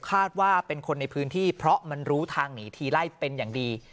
คาดว่าเป็นคนในพื้นที่เพราะมันรู้ทางหนีทีไล่เป็นอย่างดี